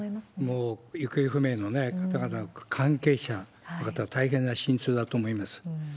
もう行方不明の方々の関係者の方、大変な心痛だと思います。